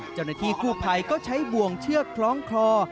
เจ้าหน้าที่กู้ภัยก็ใช้บ่วงเชือกคล้องคลอ